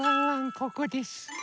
ここです。